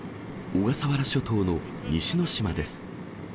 小笠原諸島の西之島です。